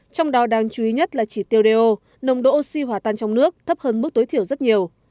trong đó đáng chú ý nhất là chỉ tiêu do nồng độ oxy hỏa tan trong nước thấp hơn mức tối thiểu rất nhiều